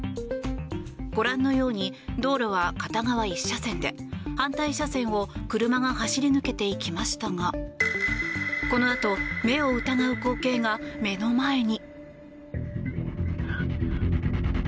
ご覧のように道路は片側１車線で反対車線を車が走り抜けていきましたがこのあと目を疑うような光景が目の前に。